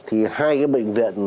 thì hai cái bệnh viện